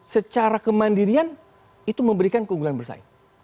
secara kemandirian itu memberikan keunggulan bersaing